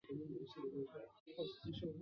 卡曼加尔即造弓或造武器的人。